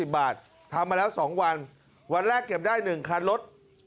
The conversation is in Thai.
บาททำมาแล้ว๒วันวันแรกเก็บได้๑คันรถ